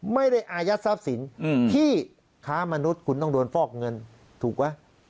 ไม่ได้อายัดทรัพย์สินที่ค้ามนุษย์คุณต้องโดนฟอกเงินถูกไหม